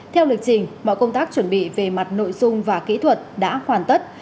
theo lịch trình mọi công tác chuẩn bị về mặt nội dung và kỹ thuật đã hoàn tất